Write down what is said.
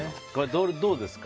どうですか？